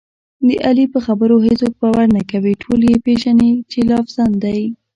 د علي په خبرو هېڅوک باور نه کوي، ټول یې پېژني چې لافزن دی.